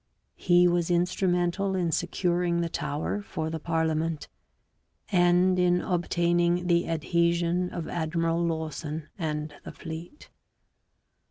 He was instrumental in securing the Tower for the parliament, and in obtaining the adhesion of Admiral Lawson and the fleet.